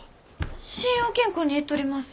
信用金庫に行っとります。